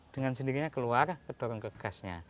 dengan sendirinya keluar kedorong ke gasnya